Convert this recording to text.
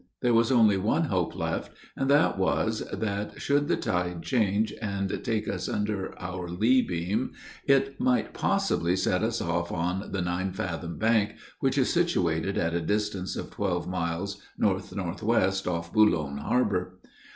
There was only one hope left, and that was, that, should the tide change and take us under our lee beam, it might possibly set us off on the Nine fathom bank, which is situated at a distance of twelve miles north northwest, off Boulogne harbor.